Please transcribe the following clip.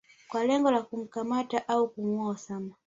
kwa lengo la kumkamata au kumuua Osama